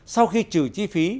sau khi trừ chi phí